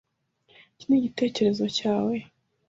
Iki ni igitekerezo cyawe?